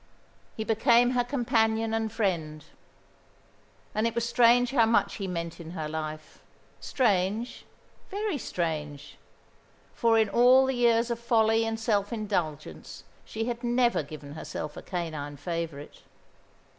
He became her companion and friend; and it was strange how much he meant in her life. Strange, very strange; for in all the years of folly and self indulgence she had never given herself a canine favourite.